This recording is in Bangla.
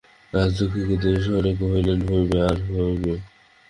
রাজলক্ষ্মী ক্রোধের স্বরে কহিলেন, হইবে আর কী।